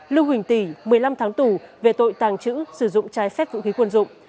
lưu quỳnh tỷ một mươi năm tháng tù về tội tàng trữ sử dụng trái phép vũ khí quân dụng